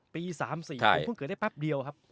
ปี๓๔คุณก็เกิดได้แป๊บเดียวครับ